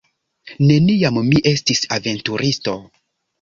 Neniam mi estis aventuristo.